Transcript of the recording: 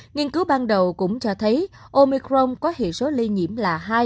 nghiên cứu ban đầu cũng cho thấy omicron có hệ số lây nhiễm là hai